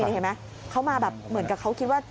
เห็นไหมเขามาแบบเหมือนกับเขาคิดว่า